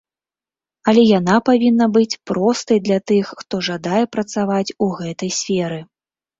Але яна павінна быць простай для тых, хто жадае працаваць у гэтай сферы.